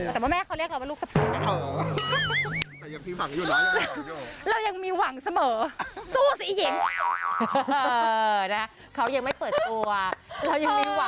แต่ปุ๊บแม่เขาเรียกเราลูกสะดวก